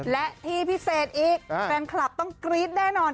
และที่พิเศษอีกแฟนคลับต้องกรี๊ดแน่นอน